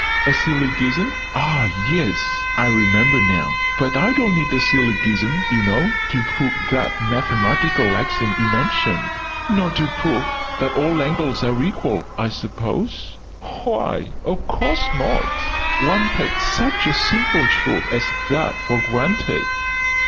"A Sillygism? "Ah, yes! I remember now. But I don't need a Sillygism, you know, to prove that mathematical axiom you mentioned." "Nor to prove that 'all angles are equal', I suppose?" "Why, of course not! One takes such a simple truth as that for granted!"